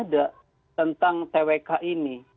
ada tentang twk ini